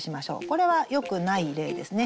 これはよくない例ですね。